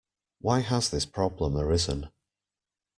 Why has this problem arisen?